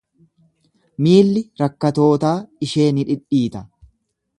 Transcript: Miilli rakkatootaa ishee ni dhidhiita.